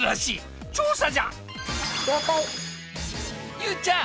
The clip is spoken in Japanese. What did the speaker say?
ゆうちゃん